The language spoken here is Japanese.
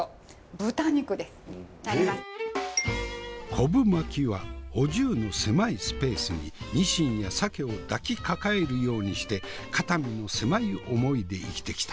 昆布巻きはお重の狭いスペースにニシンや鮭を抱きかかえるようにして肩身の狭い思いで生きてきた。